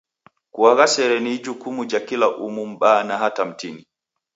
Kuagha sere ni ijukumu ja kila umu; m'baa na hata mtini.